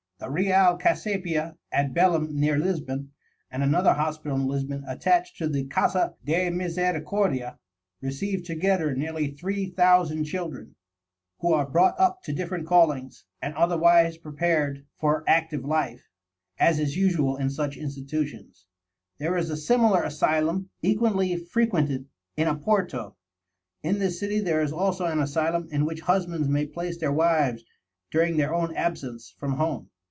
The Real Casapia, at Belem, near Lisbon, and another hospital in Lisbon attached to the Casa de Misericordia, receive together nearly three thousand children, who are brought up to different callings, and otherwise prepared for active life, as is usual in such institutions. There is a similar asylum, equally frequented, in Oporto. In this city there is also an asylum in which husbands may place their wives during their own absence from home.